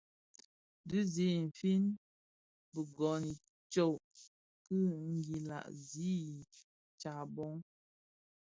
Dhi zi I nfin bi gōn itsok ki nguila zi I tsaboň.